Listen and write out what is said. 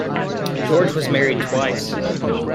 George was married twice.